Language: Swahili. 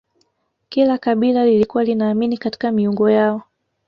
kila kabila lilikuwa linaamini katika miungu yao